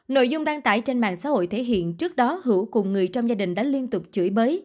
nội dung đăng tải trên mạng xã hội thể hiện trước đó hữu cùng người trong gia đình đã liên tục chửi bới